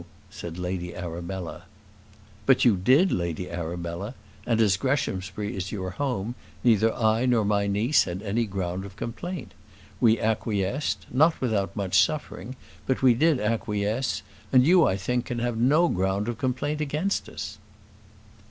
said Lady Arabella. "But you did, Lady Arabella; and as Greshamsbury is your home, neither I nor my niece had any ground of complaint. We acquiesced, not without much suffering, but we did acquiesce; and you, I think, can have no ground of complaint against us."